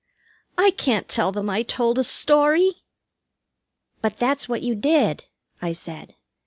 "I can't tell them I told a story!" "But that's what you did," I said.